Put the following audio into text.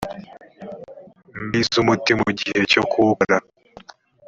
mbi z umuti mu gihe cyo kuwukora